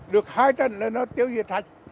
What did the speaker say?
được hai trận là nó tiêu diệt thạch